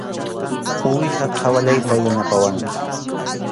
Uwiha qhawayllata yanapawanki.